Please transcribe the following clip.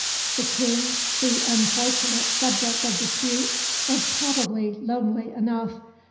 The King, the unfortunate subject of dispute, was probably lonely enough.